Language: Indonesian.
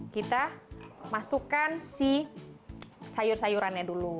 kita masukkan si sayur sayurannya dulu